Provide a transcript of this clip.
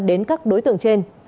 đến các đối tượng trên